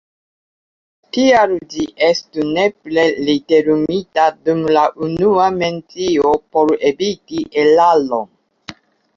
Tial ĝi estu nepre literumita dum la unua mencio por eviti eraron.